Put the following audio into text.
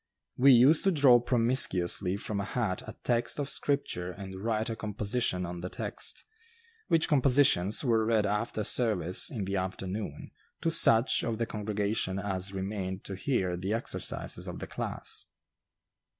We used to draw promiscuously from a hat a text of scripture and write a composition on the text, which compositions were read after service in the afternoon, to such of the congregation as remained to hear the exercises of the class.